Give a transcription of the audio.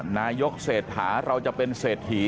นายกเศรษฐาเราจะเป็นเศรษฐี